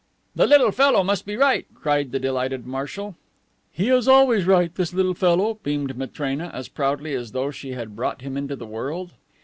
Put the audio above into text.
"The little fellow must be right," cried the delighted marshal. "He is always right, this little fellow," beamed Matrena, as proudly as though she had brought him into the world.